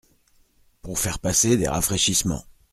Pour faire passer des rafraîchissements…